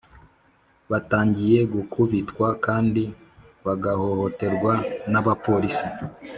batangiye gukubitwa kandi bagahohoterwa n abapolisi